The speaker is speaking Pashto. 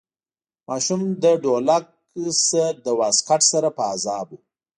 ماشوم له ډولک نه له واسکټ سره په عذاب و.